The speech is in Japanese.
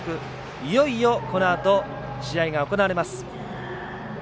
いよいよこのあと試合が行われます。